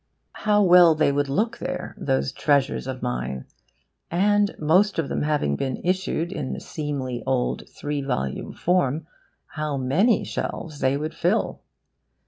How well they would look there, those treasures of mine! And, most of them having been issued in the seemly old three volume form, how many shelves they would fill!